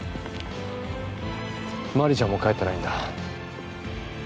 真理ちゃんも帰ってないんだ。